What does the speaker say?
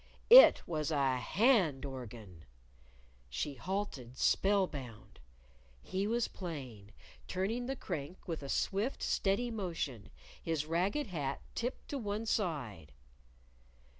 It was a hand organ! She halted, spell bound. He was playing, turning the crank with a swift, steady motion, his ragged hat tipped to one side.